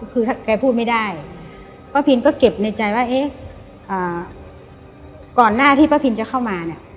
คือแกพูดไม่ได้ป้าพินก็เก็บในใจว่าเอ๊ะก่อนหน้าที่ป้าพินจะเข้ามาเนี่ย